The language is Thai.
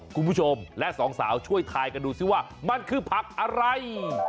คุณผู้ชมและสองสาวช่วยทายกันดูสิว่ามันคือผักอะไร